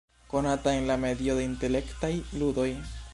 Konata en la medio de intelektaj ludoj.